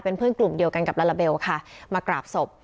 เพื่อนกลุ่มเดียวกันกับลาลาเบลค่ะมากราบศพ